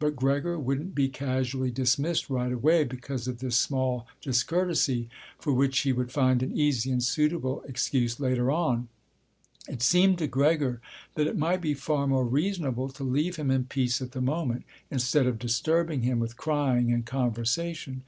But Gregor wouldn't be casually dismissed right way because of this small discourtesy, for which he would find an easy and suitable excuse later on. It seemed to Gregor that it might be far more reasonable to leave him in peace at the moment, instead of disturbing him with crying and conversation.